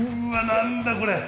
何だこれ？